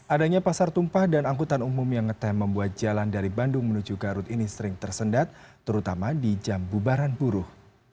adanya pasar tumpah dan angkutan umum yang ngetem membuat jalan dari bandung menuju garut ini sering tersendat terutama di jam bubaran buruh